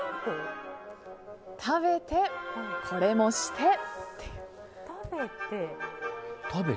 食べて、これもしてっていう。